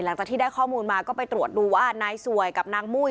หลังจากที่ได้ข้อมูลมาก็ไปตรวจดูว่านายสวยกับนางมุ้ย